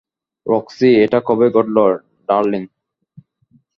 Roxie, এটা কবে ঘটল, ডার্লিং?